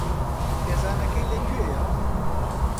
خێزانەکەی لەکوێیە؟